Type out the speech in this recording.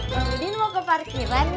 bang udin mau ke parkirannya